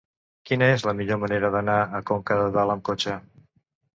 Quina és la millor manera d'anar a Conca de Dalt amb cotxe?